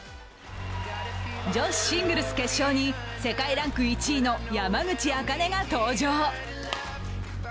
女子シングルス決勝に世界ランク１位の山口茜が登場。